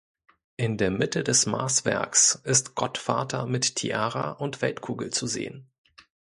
In der Mitte des Maßwerks ist Gottvater mit Tiara und Weltkugel zu sehen.